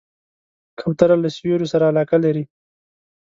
کوتره له سیوریو سره علاقه لري.